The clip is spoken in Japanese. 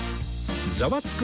『ザワつく！